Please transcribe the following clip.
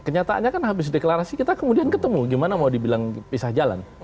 kenyataannya kan habis deklarasi kita kemudian ketemu gimana mau dibilang pisah jalan